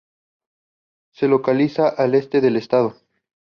Se localiza al este del estado.